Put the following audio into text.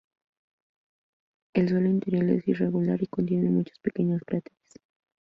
El suelo interior es irregular y contiene muchos pequeños cráteres.